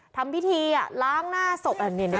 ทำพิธีล้างหน้าศพตรงนี้